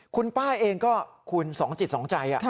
คุณป้าเองก็คุณสองจิตสองใจ